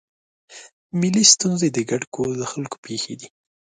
ملي ستونزې د ګډ کور د خلکو پېښې دي.